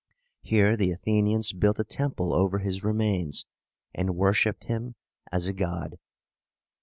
Here the Athenians built a temple over his remains, and worshiped him as a god.